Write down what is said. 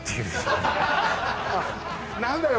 「何だよ